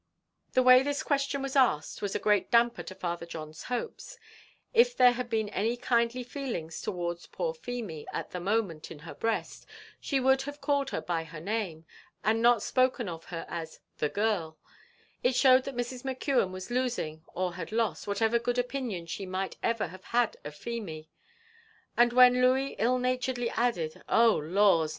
The way this question was asked, was a great damper to Father John's hopes. If there had been any kindly feelings towards poor Feemy at the moment in her breast, she would have called her by her name, and not spoken of her as "the girl;" it showed that Mrs. McKeon was losing, or had lost, whatever good opinion she might ever have had of Feemy: and when Louey ill naturedly added, "Oh laws!